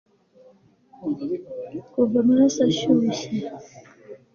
kuva amaraso ashyushye